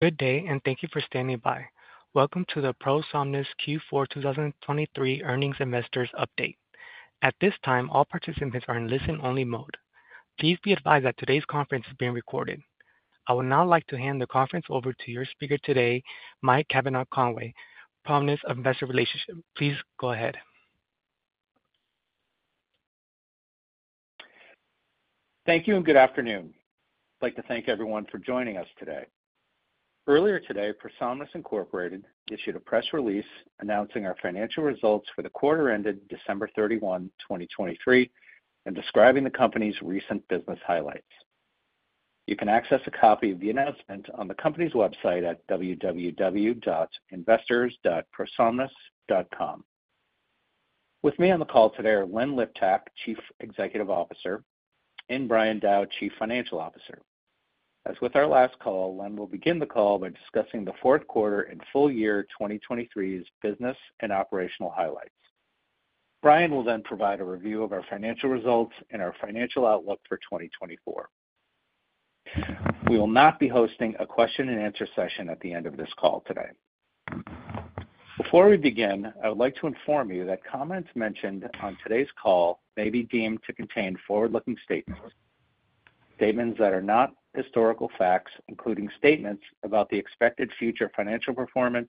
Good day, and thank you for standing by. Welcome to the ProSomnus Q4 2023 Earnings Investors Update. At this time, all participants are in listen-only mode. Please be advised that today's conference is being recorded. I would now like to hand the conference over to your speaker today, Mike Cavanaugh, ProSomnus Investor Relations. Please go ahead. Thank you and good afternoon. I'd like to thank everyone for joining us today. Earlier today, ProSomnus Incorporated issued a press release announcing our financial results for the quarter ended December 31, 2023, and describing the company's recent business highlights. You can access a copy of the announcement on the company's website at www.investors.prosomnus.com. With me on the call today are Len Liptak, Chief Executive Officer, and Brian Dow, Chief Financial Officer. As with our last call, Len will begin the call by discussing the Q4 and full year 2023's business and operational highlights. Brian will then provide a review of our financial results and our financial outlook for 2024. We will not be hosting a question-and-answer session at the end of this call today. Before we begin, I would like to inform you that comments mentioned on today's call may be deemed to contain forward-looking statements. Statements that are not historical facts, including statements about the expected future financial performance,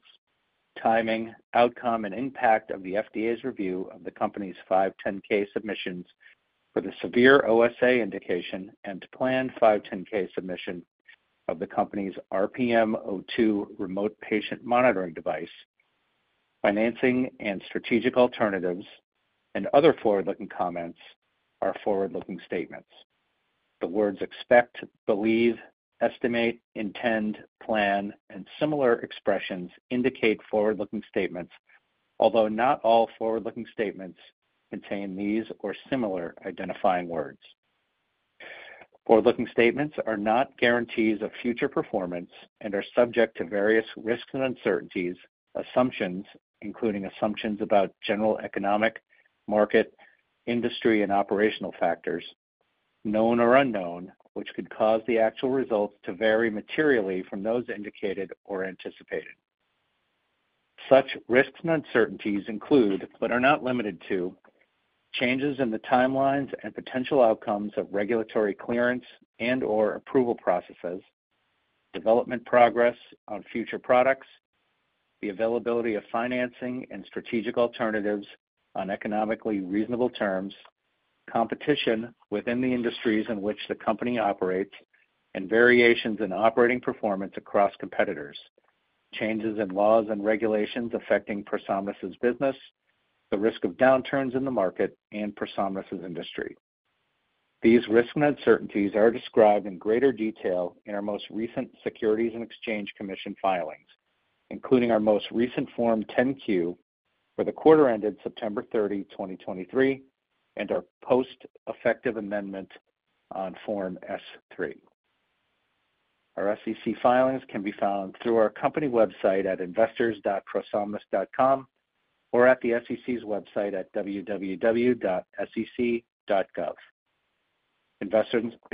timing, outcome, and impact of the FDA's review of the company's 510(k) submissions for the severe OSA indication and planned 510(k) submission of the company's RPMO2 remote patient monitoring device, financing and strategic alternatives, and other forward-looking comments are forward-looking statements. The words expect, believe, estimate, intend, plan, and similar expressions indicate forward-looking statements, although not all forward-looking statements contain these or similar identifying words. Forward-looking statements are not guarantees of future performance and are subject to various risks and uncertainties, assumptions, including assumptions about general economic, market, industry, and operational factors, known or unknown, which could cause the actual results to vary materially from those indicated or anticipated. Such risks and uncertainties include but are not limited to changes in the timelines and potential outcomes of regulatory clearance and/or approval processes, development progress on future products, the availability of financing and strategic alternatives on economically reasonable terms, competition within the industries in which the company operates, and variations in operating performance across competitors, changes in laws and regulations affecting ProSomnus's business, the risk of downturns in the market, and ProSomnus's industry. These risks and uncertainties are described in greater detail in our most recent Securities and Exchange Commission filings, including our most recent Form 10-Q for the quarter ended September 30, 2023, and our post-effective amendment on Form S-3. Our SEC filings can be found through our company website at investors.prosomnus.com or at the SEC's website at www.sec.gov.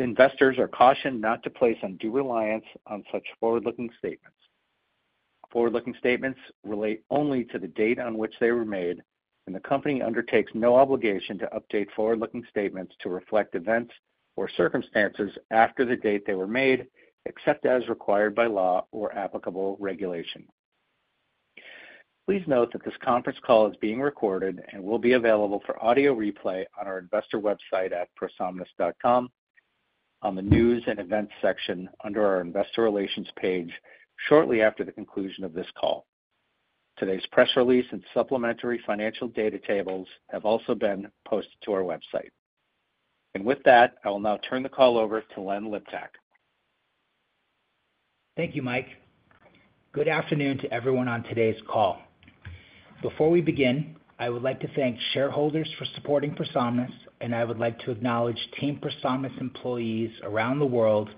Investors are cautioned not to place undue reliance on such forward-looking statements. Forward-looking statements relate only to the date on which they were made, and the company undertakes no obligation to update forward-looking statements to reflect events or circumstances after the date they were made, except as required by law or applicable regulation. Please note that this conference call is being recorded and will be available for audio replay on our investor website at prosomnus.com, on the news and events section under our investor relations page shortly after the conclusion of this call. Today's press release and supplementary financial data tables have also been posted to our website. With that, I will now turn the call over to Len Liptak. Thank you, Mike. Good afternoon to everyone on today's call. Before we begin, I would like to thank shareholders for supporting ProSomnus, and I would like to acknowledge Team ProSomnus employees around the world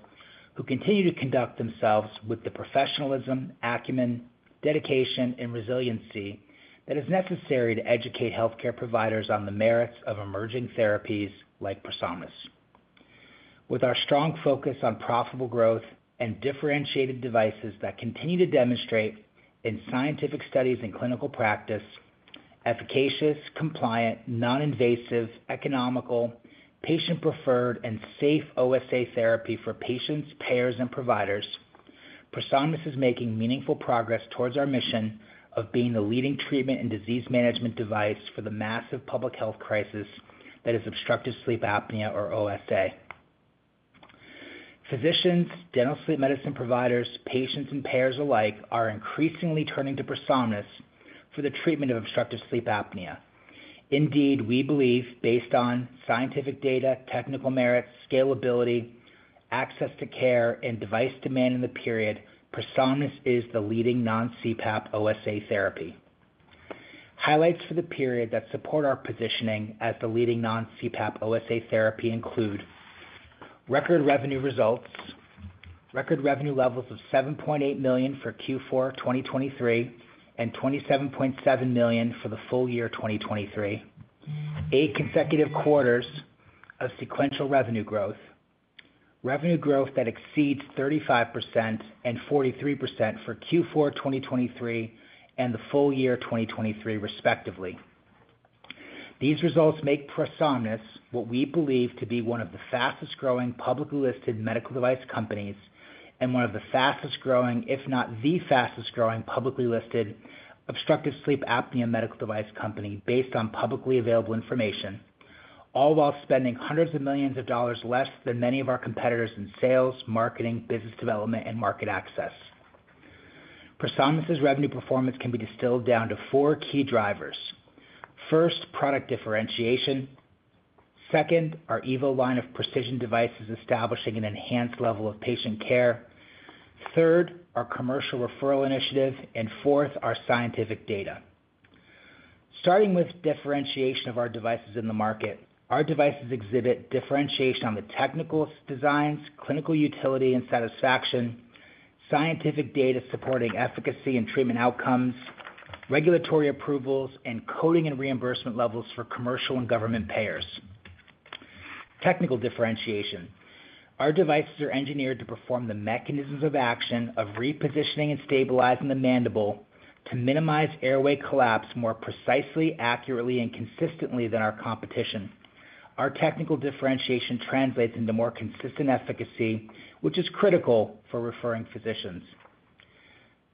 who continue to conduct themselves with the professionalism, acumen, dedication, and resiliency that is necessary to educate healthcare providers on the merits of emerging therapies like ProSomnus. With our strong focus on profitable growth and differentiated devices that continue to demonstrate in scientific studies and clinical practice efficacious, compliant, non-invasive, economical, patient-preferred, and safe OSA therapy for patients, payers, and providers, ProSomnus is making meaningful progress towards our mission of being the leading treatment and disease management device for the massive public health crisis that is obstructive sleep apnea, or OSA. Physicians, dental sleep medicine providers, patients, and payers alike are increasingly turning to ProSomnus for the treatment of obstructive sleep apnea. Indeed, we believe, based on scientific data, technical merits, scalability, access to care, and device demand in the period, ProSomnus is the leading non-CPAP OSA therapy. Highlights for the period that support our positioning as the leading non-CPAP OSA therapy include record revenue results, record revenue levels of $7.8 million for Q4 2023 and $27.7 million for the full year 2023, eight consecutive quarters of sequential revenue growth, revenue growth that exceeds 35% and 43% for Q4 2023 and the full year 2023, respectively. These results make ProSomnus what we believe to be one of the fastest-growing publicly listed medical device companies and one of the fastest-growing, if not the fastest-growing publicly listed obstructive sleep apnea medical device company based on publicly available information, all while spending hundreds of millions of dollars less than many of our competitors in sales, marketing, business development, and market access. ProSomnus's revenue performance can be distilled down to four key drivers. First, product differentiation. Second, our EVO line of precision devices establishing an enhanced level of patient care. Third, our commercial referral initiative. Fourth, our scientific data. Starting with differentiation of our devices in the market, our devices exhibit differentiation on the technical designs, clinical utility, and satisfaction, scientific data supporting efficacy and treatment outcomes, regulatory approvals, and coding and reimbursement levels for commercial and government payers. Technical differentiation. Our devices are engineered to perform the mechanisms of action of repositioning and stabilizing the mandible to minimize airway collapse more precisely, accurately, and consistently than our competition. Our technical differentiation translates into more consistent efficacy, which is critical for referring physicians.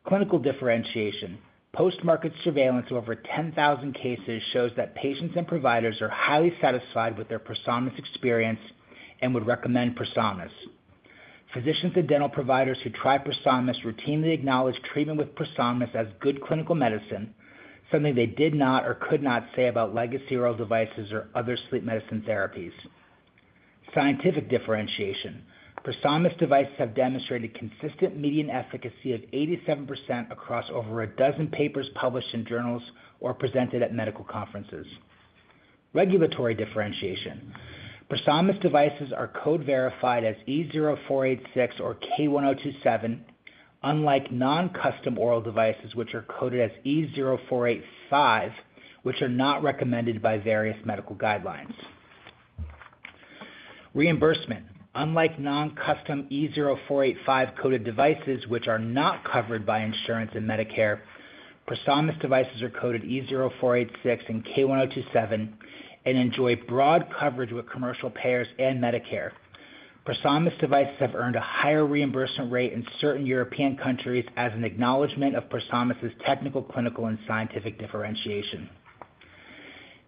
Clinical differentiation. Post-market surveillance of over 10,000 cases shows that patients and providers are highly satisfied with their ProSomnus experience and would recommend ProSomnus. Physicians and dental providers who try ProSomnus routinely acknowledge treatment with ProSomnus as good clinical medicine, something they did not or could not say about legacy oral devices or other sleep medicine therapies. Scientific differentiation. ProSomnus devices have demonstrated consistent median efficacy of 87% across over a dozen papers published in journals or presented at medical conferences. Regulatory differentiation. ProSomnus devices are code-verified as E0486 or K1027, unlike non-custom oral devices which are coded as E0485, which are not recommended by various medical guidelines. Reimbursement. Unlike non-custom E0485-coded devices which are not covered by insurance and Medicare, ProSomnus devices are coded E0486 and K1027 and enjoy broad coverage with commercial payers and Medicare. ProSomnus devices have earned a higher reimbursement rate in certain European countries as an acknowledgment of ProSomnus's technical, clinical, and scientific differentiation.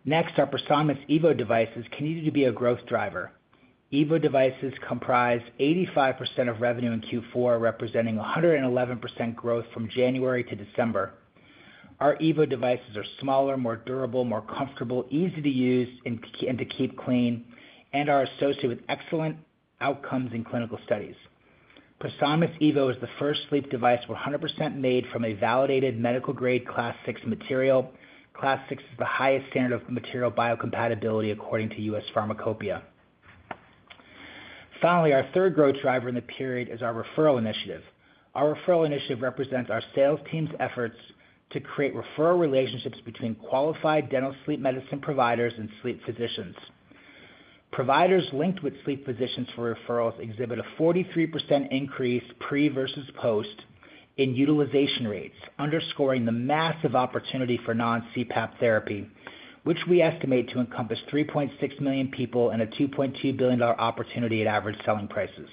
Next, our ProSomnus EVO devices continue to be a growth driver. EVO devices comprise 85% of revenue in Q4, representing 111% growth from January to December. Our EVO devices are smaller, more durable, more comfortable, easy to use and to keep clean, and are associated with excellent outcomes in clinical studies. ProSomnus EVO is the first sleep device 100% made from a validated medical-grade Class VI material. Class VI is the highest standard of material biocompatibility according to U.S. Pharmacopeia. Finally, our third growth driver in the period is our referral initiative. Our referral initiative represents our sales team's efforts to create referral relationships between qualified dental sleep medicine providers and sleep physicians. Providers linked with sleep physicians for referrals exhibit a 43% increase pre versus post in utilization rates, underscoring the massive opportunity for non-CPAP therapy, which we estimate to encompass 3.6 million people and a $2.2 billion opportunity at average selling prices.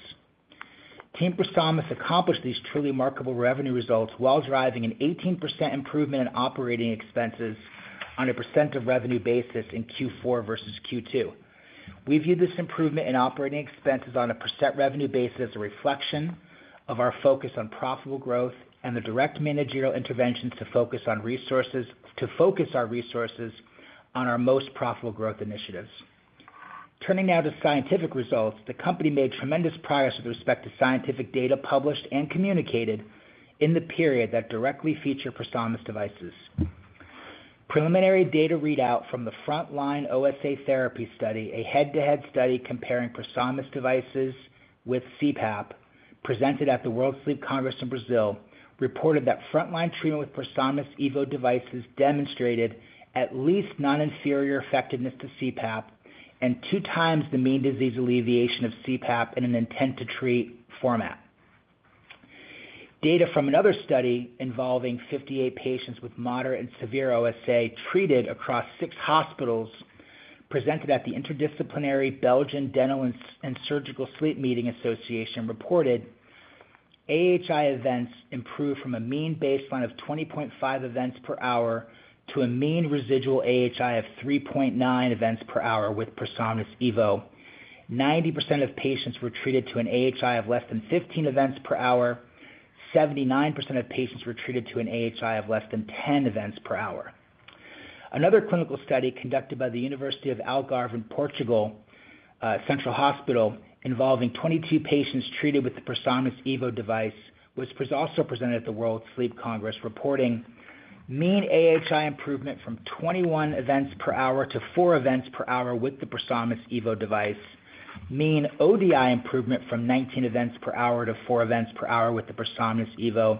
Team ProSomnus accomplished these truly remarkable revenue results while driving an 18% improvement in operating expenses on a percent of revenue basis in Q4 versus Q2. We view this improvement in operating expenses on a percent revenue basis as a reflection of our focus on profitable growth and the direct managerial interventions to focus our resources on our most profitable growth initiatives. Turning now to scientific results, the company made tremendous progress with respect to scientific data published and communicated in the period that directly feature ProSomnus devices. Preliminary data readout from the Frontline OSA Therapy study, a head-to-head study comparing ProSomnus devices with CPAP, presented at the World Sleep Congress in Brazil, reported that frontline treatment with ProSomnus EVO devices demonstrated at least non-inferior effectiveness to CPAP and two times the mean disease alleviation of CPAP in an intent-to-treat format. Data from another study involving 58 patients with moderate and severe OSA treated across six hospitals presented at the Interdisciplinary Belgian Dental and Surgical Sleep Medicine Academy reported AHI events improved from a mean baseline of 20.5 events per hour to a mean residual AHI of 3.9 events per hour with ProSomnus EVO. 90% of patients were treated to an AHI of less than 15 events per hour. 79% of patients were treated to an AHI of less than 10 events per hour. Another clinical study conducted by the University of Algarve in Portugal, Central Hospital, involving 22 patients treated with the ProSomnus EVO device was also presented at the World Sleep Congress, reporting mean AHI improvement from 21 events per hour to 4 events per hour with the ProSomnus EVO device, mean ODI improvement from 19 events per hour to 4 events per hour with the ProSomnus EVO.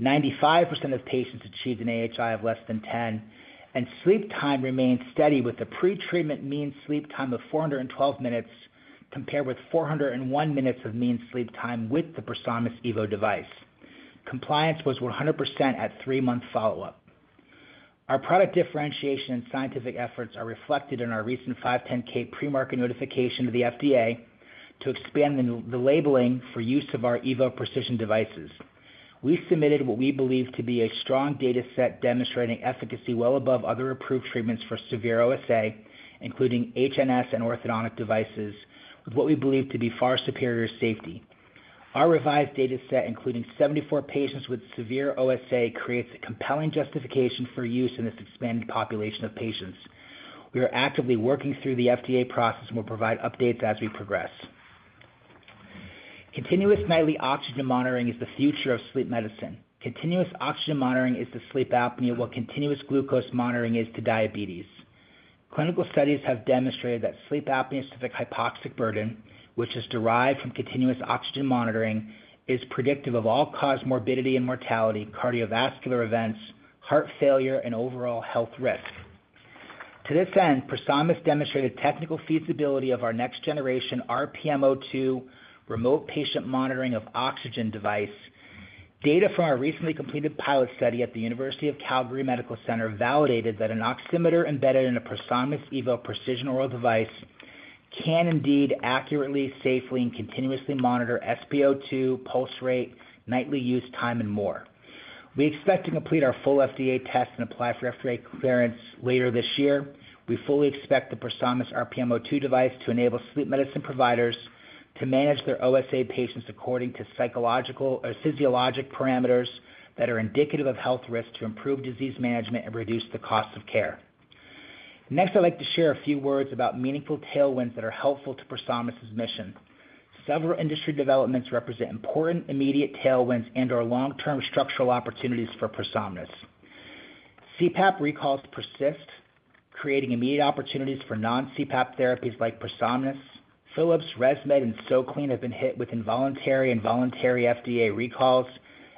95% of patients achieved an AHI of less than 10, and sleep time remained steady with a pre-treatment mean sleep time of 412 minutes compared with 401 minutes of mean sleep time with the ProSomnus EVO device. Compliance was 100% at three-month follow-up. Our product differentiation and scientific efforts are reflected in our recent 510(k) pre-market notification to the FDA to expand the labeling for use of our EVO precision devices. We submitted what we believe to be a strong dataset demonstrating efficacy well above other approved treatments for severe OSA, including HNS and orthodontic devices, with what we believe to be far superior safety. Our revised dataset, including 74 patients with severe OSA, creates a compelling justification for use in this expanded population of patients. We are actively working through the FDA process and will provide updates as we progress. Continuous nightly oxygen monitoring is the future of sleep medicine. Continuous oxygen monitoring is to sleep apnea what continuous glucose monitoring is to diabetes. Clinical studies have demonstrated that sleep apnea-specific hypoxic burden, which is derived from continuous oxygen monitoring, is predictive of all-cause morbidity and mortality, cardiovascular events, heart failure, and overall health risk. To this end, ProSomnus demonstrated technical feasibility of our next-generation RPMO2 remote patient monitoring of oxygen device. Data from our recently completed pilot study at the University of Calgary Medical Center validated that an oximeter embedded in a ProSomnus EVO precision oral device can indeed accurately, safely, and continuously monitor SpO2, pulse rate, nightly use time, and more. We expect to complete our full FDA test and apply for FDA clearance later this year. We fully expect the ProSomnus RPMO2 device to enable sleep medicine providers to manage their OSA patients according to physiologic parameters that are indicative of health risk to improve disease management and reduce the cost of care. Next, I'd like to share a few words about meaningful tailwinds that are helpful to ProSomnus's mission. Several industry developments represent important, immediate tailwinds and/or long-term structural opportunities for ProSomnus. CPAP recalls persist, creating immediate opportunities for non-CPAP therapies like ProSomnus. Philips, ResMed, and SoClean have been hit with involuntary and voluntary FDA recalls.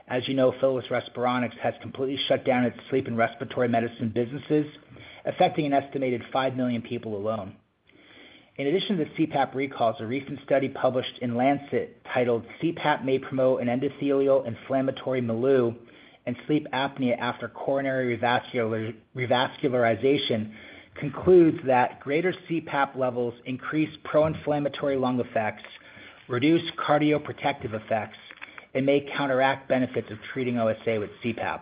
As you know, Philips Respironics has completely shut down its sleep and respiratory medicine businesses, affecting an estimated 5 million people alone. In addition to the CPAP recalls, a recent study published in Lancet titled "CPAP May Promote an Endothelial Inflammatory Milieu and Sleep Apnea After Coronary Revascularization" concludes that greater CPAP levels increase pro-inflammatory lung effects, reduce cardioprotective effects, and may counteract benefits of treating OSA with CPAP.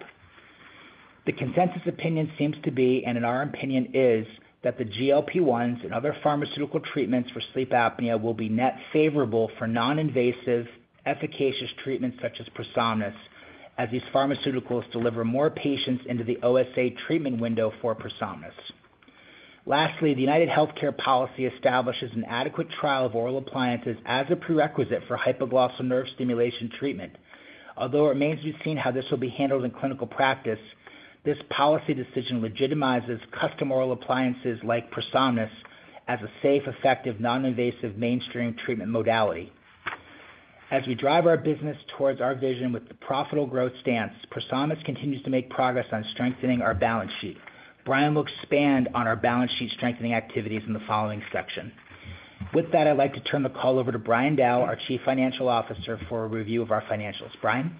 The consensus opinion seems to be, and in our opinion is, that the GLP-1s and other pharmaceutical treatments for sleep apnea will be net favorable for non-invasive, efficacious treatments such as ProSomnus, as these pharmaceuticals deliver more patients into the OSA treatment window for ProSomnus. Lastly, the UnitedHealthcare Policy establishes an adequate trial of oral appliances as a prerequisite for Hypoglossal Nerve Stimulation treatment. Although it remains to be seen how this will be handled in clinical practice, this policy decision legitimizes custom oral appliances like ProSomnus as a safe, effective, non-invasive mainstream treatment modality. As we drive our business towards our vision with the profitable growth stance, ProSomnus continues to make progress on strengthening our balance sheet. Brian will expand on our balance sheet strengthening activities in the following section. With that, I'd like to turn the call over to Brian Dow, our Chief Financial Officer, for a review of our financials. Brian?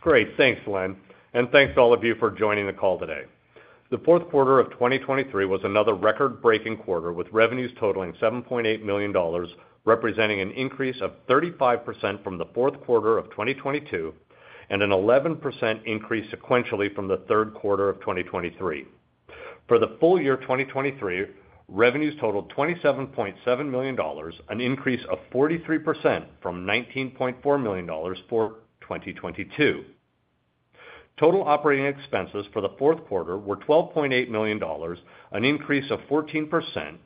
Great. Thanks, Len. Thanks to all of you for joining the call today. The Q4 of 2023 was another record-breaking quarter, with revenues totaling $7.8 million, representing an increase of 35% from the Q4 of 2022 and an 11% increase sequentially from the Q3 of 2023. For the full year 2023, revenues totaled $27.7 million, an increase of 43% from $19.4 million for 2022. Total operating expenses for the Q4 were $12.8 million, an increase of 14%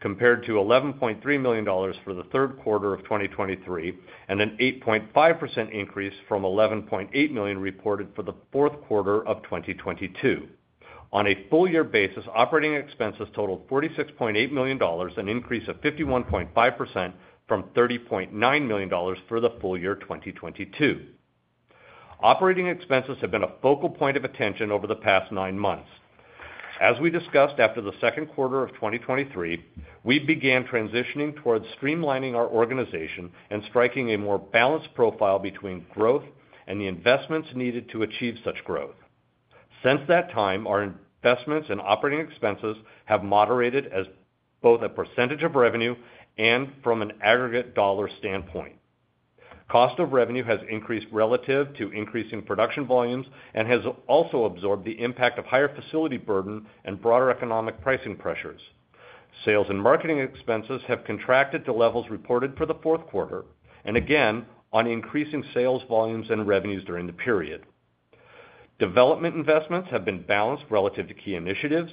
compared to $11.3 million for the Q3 of 2023 and an 8.5% increase from $11.8 million reported for the Q4 of 2022. On a full-year basis, operating expenses totaled $46.8 million, an increase of 51.5% from $30.9 million for the full year 2022. Operating expenses have been a focal point of attention over the past nine months. As we discussed, after the Q2 of 2023, we began transitioning towards streamlining our organization and striking a more balanced profile between growth and the investments needed to achieve such growth. Since that time, our investments and operating expenses have moderated as both a percentage of revenue and from an aggregate dollar standpoint. Cost of revenue has increased relative to increasing production volumes and has also absorbed the impact of higher facility burden and broader economic pricing pressures. Sales and marketing expenses have contracted to levels reported for the Q4 and again on increasing sales volumes and revenues during the period. Development investments have been balanced relative to key initiatives.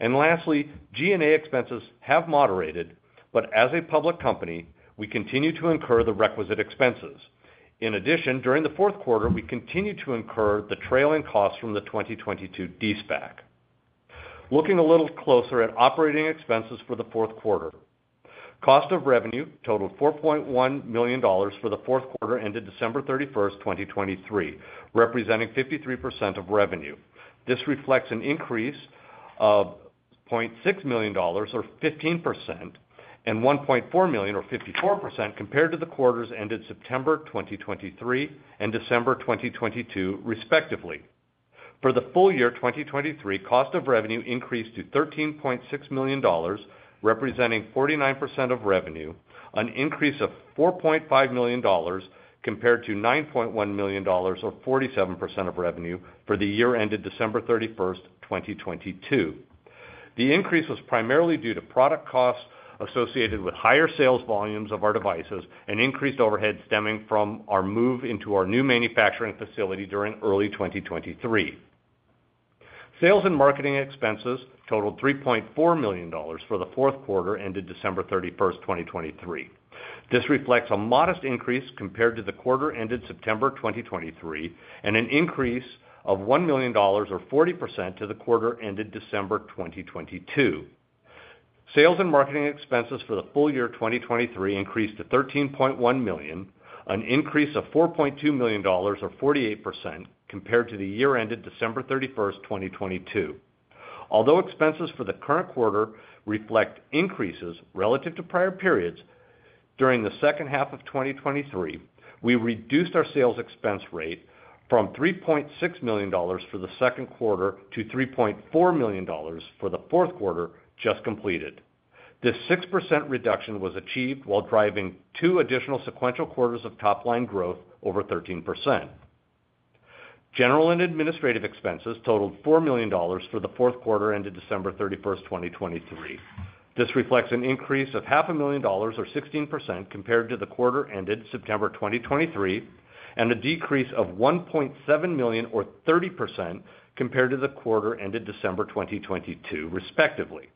And lastly, G&A expenses have moderated, but as a public company, we continue to incur the requisite expenses. In addition, during the Q4, we continue to incur the trailing costs from the 2022 SPAC. Looking a little closer at operating expenses for the Q4, cost of revenue totaled $4.1 million for the Q4 ended December 31st, 2023, representing 53% of revenue. This reflects an increase of $0.6 million or 15% and $1.4 million or 54% compared to the quarters ended September 2023 and December 2022, respectively. For the full year 2023, cost of revenue increased to $13.6 million, representing 49% of revenue, an increase of $4.5 million compared to $9.1 million or 47% of revenue for the year ended December 31st, 2022. The increase was primarily due to product costs associated with higher sales volumes of our devices and increased overhead stemming from our move into our new manufacturing facility during early 2023. Sales and marketing expenses totaled $3.4 million for the Q4 ended December 31st, 2023. This reflects a modest increase compared to the quarter ended September 2023 and an increase of $1 million or 40% to the quarter ended December 2022. Sales and marketing expenses for the full year 2023 increased to $13.1 million, an increase of $4.2 million or 48% compared to the year ended December 31st, 2022. Although expenses for the current quarter reflect increases relative to prior periods, during the second half of 2023, we reduced our sales expense rate from $3.6 million for the Q2 to $3.4 million for the Q4 just completed. This 6% reduction was achieved while driving two additional sequential quarters of top-line growth over 13%. General and administrative expenses totaled $4 million for the Q4 ended December 31st, 2023. This reflects an increase of $500,000 or 16% compared to the quarter ended September 2023 and a decrease of $1.7 million or 30% compared to the quarter ended December 2022, respectively.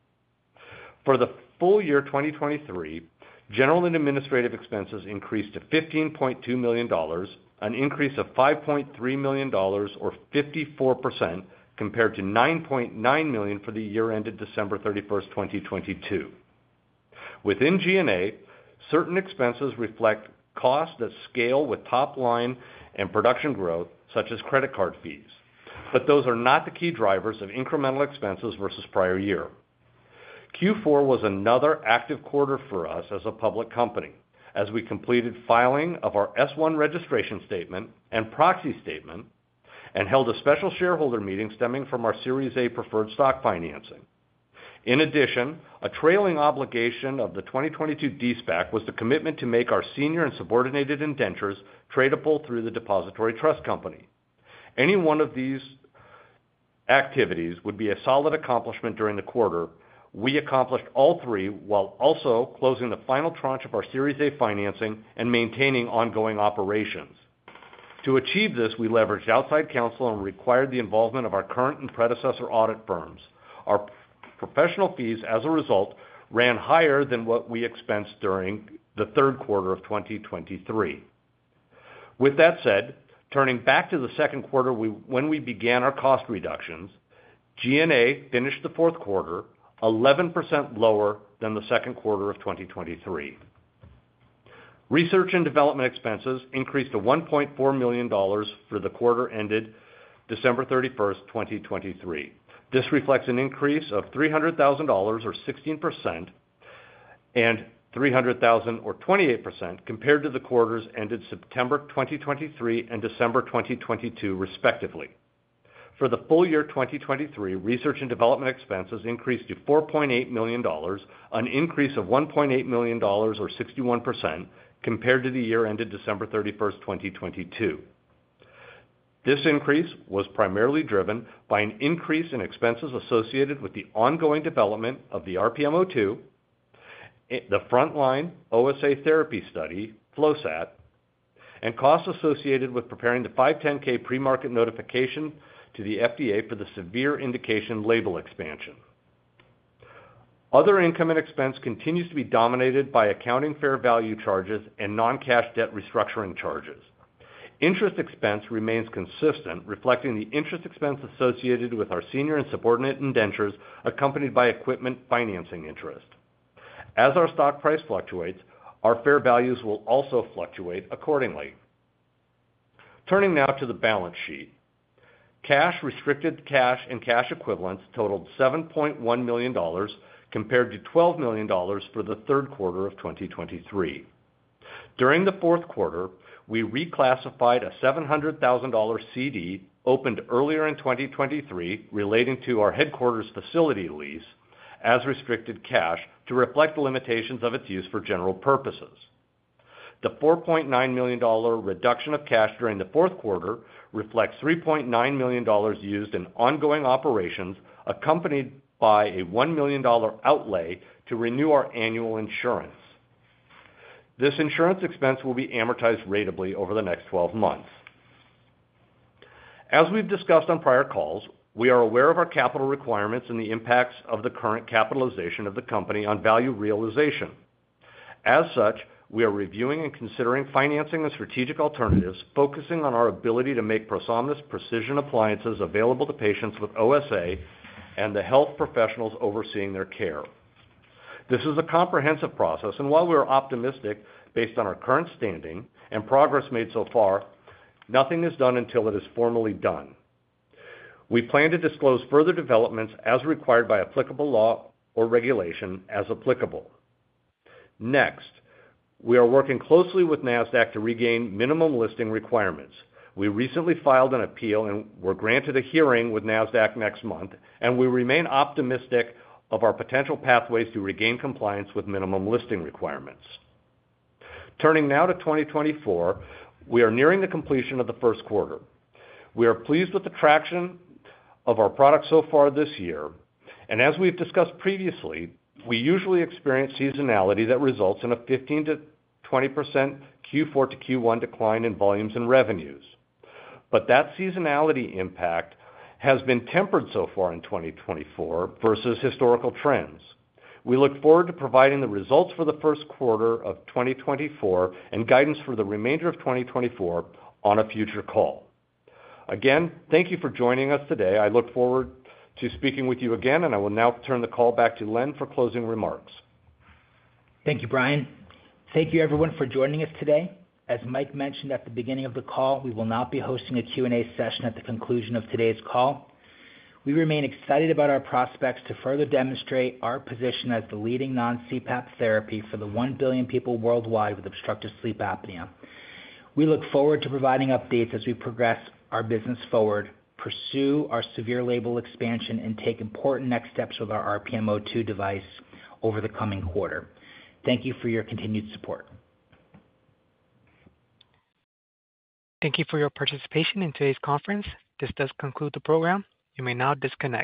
For the full year 2023, general and administrative expenses increased to $15.2 million, an increase of $5.3 million or 54% compared to $9.9 million for the year ended December 31st, 2022. Within G&A, certain expenses reflect costs that scale with top-line and production growth, such as credit card fees, but those are not the key drivers of incremental expenses versus prior year. Q4 was another active quarter for us as a public company, as we completed filing of our S1 registration statement and proxy statement and held a special shareholder meeting stemming from our Series A preferred stock financing. In addition, a trailing obligation of the 2022 de-SPAC was the commitment to make our senior and subordinated indentures tradable through the Depository Trust Company. Any one of these activities would be a solid accomplishment during the quarter. We accomplished all three while also closing the final tranche of our Series A financing and maintaining ongoing operations. To achieve this, we leveraged outside counsel and required the involvement of our current and predecessor audit firms. Our professional fees, as a result, ran higher than what we expensed during the Q3 of 2023. With that said, turning back to the Q2, when we began our cost reductions, G&A finished the Q4 11% lower than the Q2 of 2023. Research and development expenses increased to $1.4 million for the quarter ended December 31st, 2023. This reflects an increase of $300,000 or 16% and $300,000 or 28% compared to the quarters ended September 2023 and December 2022, respectively. For the full year 2023, research and development expenses increased to $4.8 million, an increase of $1.8 million or 61% compared to the year ended December 31st, 2022. This increase was primarily driven by an increase in expenses associated with the ongoing development of the RPMO2, the front-line OSA therapy study, FLOSAT, and costs associated with preparing the 510(k) pre-market notification to the FDA for the severe indication label expansion. Other income and expense continues to be dominated by accounting fair value charges and non-cash debt restructuring charges. Interest expense remains consistent, reflecting the interest expense associated with our senior and subordinate indentures accompanied by equipment financing interest. As our stock price fluctuates, our fair values will also fluctuate accordingly. Turning now to the balance sheet, cash, restricted cash, and cash equivalents totaled $7.1 million compared to $12 million for the Q3 of 2023. During the Q4, we reclassified a $700,000 CD opened earlier in 2023 relating to our headquarters facility lease as restricted cash to reflect the limitations of its use for general purposes. The $4.9 million reduction of cash during the Q4 reflects $3.9 million used in ongoing operations accompanied by a $1 million outlay to renew our annual insurance. This insurance expense will be amortized ratably over the next 12 months. As we've discussed on prior calls, we are aware of our capital requirements and the impacts of the current capitalization of the company on value realization. As such, we are reviewing and considering financing and strategic alternatives, focusing on our ability to make ProSomnus precision appliances available to patients with OSA and the health professionals overseeing their care. This is a comprehensive process, and while we are optimistic based on our current standing and progress made so far, nothing is done until it is formally done. We plan to disclose further developments as required by applicable law or regulation as applicable. Next, we are working closely with NASDAQ to regain minimum listing requirements. We recently filed an appeal and were granted a hearing with NASDAQ next month, and we remain optimistic of our potential pathways to regain compliance with minimum listing requirements. Turning now to 2024, we are nearing the completion of the Q1. We are pleased with the traction of our product so far this year. As we've discussed previously, we usually experience seasonality that results in a 15%-20% Q4 to Q1 decline in volumes and revenues. But that seasonality impact has been tempered so far in 2024 versus historical trends. We look forward to providing the results for the Q1 of 2024 and guidance for the remainder of 2024 on a future call. Again, thank you for joining us today. I look forward to speaking with you again, and I will now turn the call back to Len for closing remarks. Thank you, Brian. Thank you, everyone, for joining us today. As Mike mentioned at the beginning of the call, we will not be hosting a Q&A session at the conclusion of today's call. We remain excited about our prospects to further demonstrate our position as the leading non-CPAP therapy for the 1 billion people worldwide with obstructive sleep apnea. We look forward to providing updates as we progress our business forward, pursue our severe label expansion, and take important next steps with our RPMO2 device over the coming quarter. Thank you for your continued support. Thank you for your participation in today's conference. This does conclude the program. You may now disconnect.